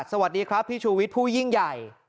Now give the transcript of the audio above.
สวัสดีครับพี่ชูวิทย์ผู้ยิ่งใหญ่